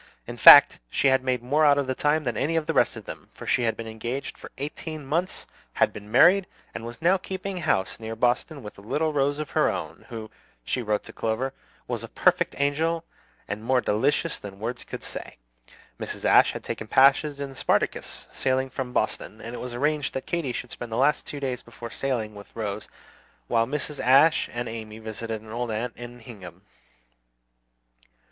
In fact, she had made more out of the time than any of the rest of them, for she had been engaged for eighteen months, had been married, and was now keeping house near Boston with a little Rose of her own, who, she wrote to Clover, was a perfect angel, and more delicious than words could say! Mrs. Ashe had taken passage in the "Spartacus," sailing from Boston; and it was arranged that Katy should spend the last two days before sailing, with Rose, while Mrs. Ashe and Amy visited an old aunt in Hingham.